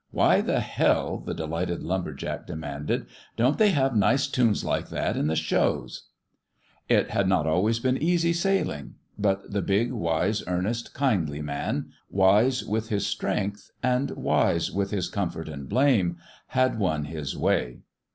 "Why the hell," the delighted lumber jack demanded, " don't they have nice toons like that in the shows?" FIST PLAY 143 It had not always been easy sailing. But the big, wise, earnest, kindly man wise with his strength and wise with his comfort and blame had won his way.